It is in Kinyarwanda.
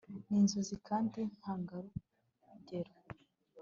ni inzozi kandi ntangarugero